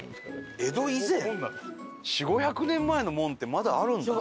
４００５００年前の門ってまだあるんだ！